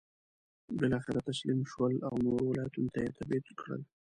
بالاخره تسلیم شول او نورو ولایتونو ته یې تبعید کړل.